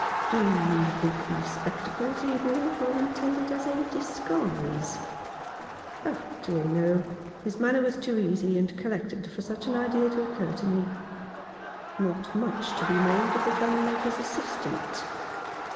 " Do you think the spectacles he wore were intended as a disguise ?"" Oh dear, no ! His manner was too easy and collected for such an idea to occur to me." Not much to be made of the gunmaker's as sistant.